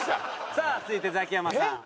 さあ続いてザキヤマさん。